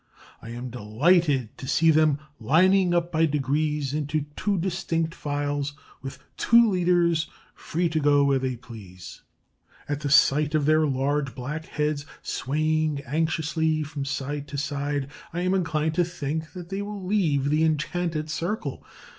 I am delighted to see them lining up by degrees into two distinct files, with two leaders, free to go where they please. At the sight of their large black heads swaying anxiously from side to side, I am inclined to think they will leave the enchanted circle.